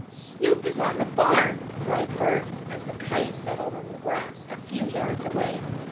"Snoop is on the barn!" cried Bert, as the kite settled on the grass a few yards away.